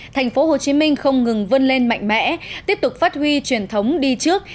thành phố hồ chí minh không ngừng vươn lên mạnh mẽ tiếp tục phát huy truyền thống đi trước